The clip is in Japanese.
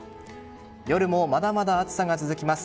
夜もまだまだ暑さが続きます。